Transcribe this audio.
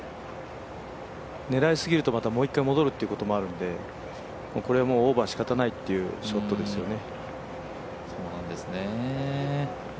狙いすぎるともう一回戻ることもあるので、これ、オーバーしかたないっていうショットですね。